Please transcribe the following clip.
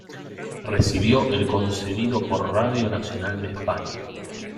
Recibió el concedido por Radio Nacional de España.